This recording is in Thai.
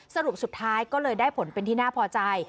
สรุปสุดท้ายก็เลยได้ผลเป็นที่น่าพอใจ